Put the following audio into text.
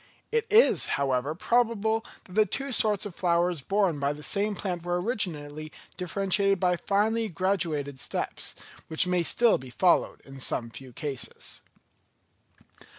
It is, however, probable that the two sorts of flowers borne by the same plant were originally differentiated by finely graduated steps, which may still be followed in some few cases.